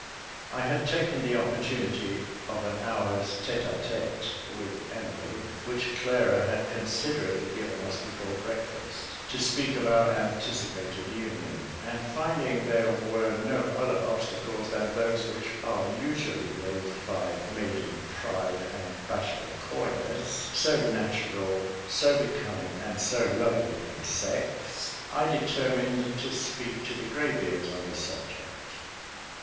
I had taken the opportunity of an hour's tête à tête with Emily, which Clara had considerately given us before breakfast, to speak of our anticipated union; and finding there were no other obstacles than those which are usually raised by "maiden pride and bashful coyness," so natural, so becoming, and so lovely in the sex, I determined to speak to the grey beards on the subject.